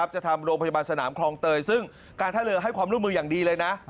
จะทำโรงพยาบาลสนามคลองเตยซึ่งการท่าเรือให้ความร่วมมืออย่างดีเลยนะ